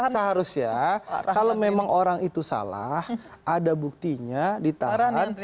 seharusnya kalau memang orang itu salah ada buktinya ditahan